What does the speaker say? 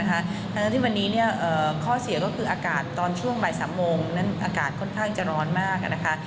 ดังนั้นที่วันนี้ข้อเสียก็คืออากาศตอนช่วงบ่าย๓โมงนั้นอากาศค่อนข้างจะร้อนมากนะคะ